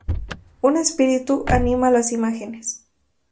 Un espíritu anima las imágenes.